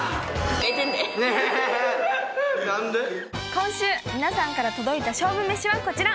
今週皆さんから届いた勝負めしはこちら。